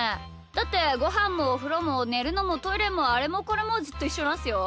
だってごはんもおふろもねるのもトイレもあれもこれもずっといっしょなんすよ。